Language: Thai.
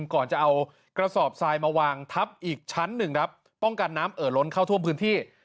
ก่อนจะเอากระสอบทรายมาวางทับอีกชั้นหนึ่งครับป้องกันน้ำเอ่อล้นเข้าท่วมพื้นที่